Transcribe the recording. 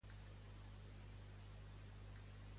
El conseller manté una actitud positiva?